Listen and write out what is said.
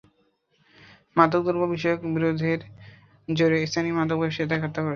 মাদক দ্রব্য বিষয়ক বিরোধের জেরে স্থানীয় মাদক ব্যবসায়ীরা তাঁকে হত্যা করেছে।